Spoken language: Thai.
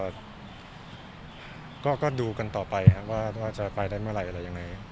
แต่ดูกันต่อไปฮะจะมันไปได้เมื่อไรยังไง